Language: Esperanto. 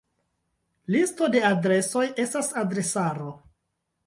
Listo de adresoj estas adresaro.